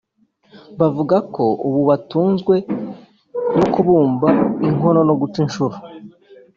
Bavuga ko ubu batunzwe no kubumba inkono no guca inshuro